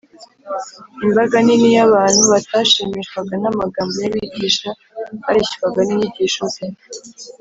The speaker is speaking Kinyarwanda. . Imbaga nini y’abantu batashimishwaga n’amagambo y’abigisha bareshywaga n’inyigisho Ze